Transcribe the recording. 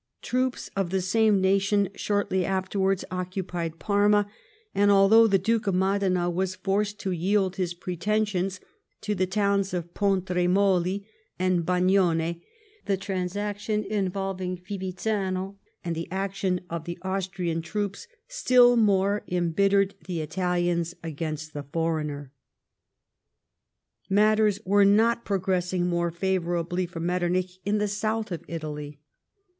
Troops of the same nation shortly afterwards occupied l*arma, and although the Duke of Modena was forced to yield his pretensions to the towns of Pontremoli and Bagnone, the transaction reffardiu" Fivizzano and the action of the Austrian troops still more embittered the Italians against the foreigner. Matters were not ])rogressing more favourably for Mettcrnich in the south of Italy.